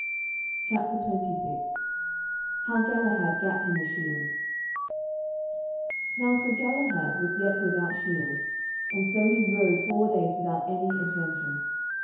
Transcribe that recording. CHAPTER XXVI HOW GALAHAD GAT HIM A SHIELD Now Sir Galahad was yet without shield, and so he rode four days without any adventure.